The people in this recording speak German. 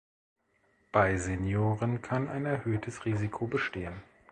Bei Senioren kann ein erhöhtes Risiko bestehen.